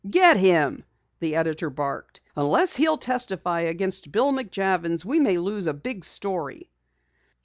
"Get him!" the editor barked. "Unless he'll testify against Bill McJavins we may lose a big story!"